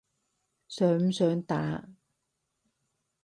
想唔想打？